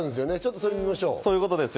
それを見ましょう。